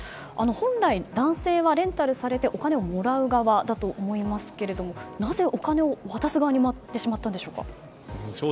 本来、男性はレンタルされてお金をもらう側だと思いますけれどもなぜお金を渡す側に回ってしまったんでしょうか。